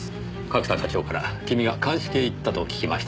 角田課長から君が鑑識へ行ったと聞きましたので。